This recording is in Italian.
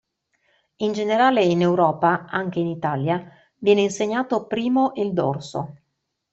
In generale in Europa (anche in Italia) viene insegnato primo il dorso.